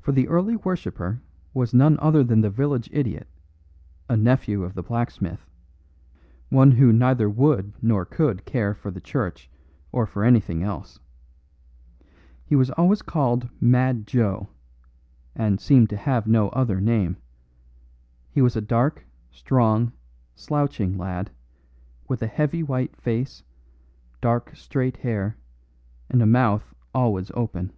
For the early worshipper was none other than the village idiot, a nephew of the blacksmith, one who neither would nor could care for the church or for anything else. He was always called "Mad Joe," and seemed to have no other name; he was a dark, strong, slouching lad, with a heavy white face, dark straight hair, and a mouth always open.